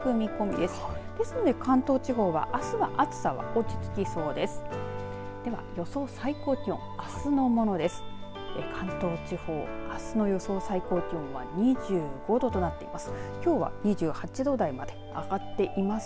ですので、関東地方はあすは暑さは落ち着きそうです。